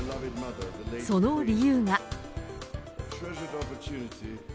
その理由が。